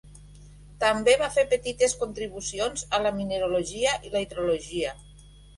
També va fer petites contribucions a la mineralogia i la hidrologia.